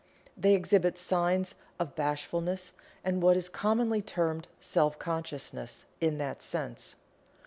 They exhibit signs of bashfulness and what is commonly termed "self consciousness" in that sense.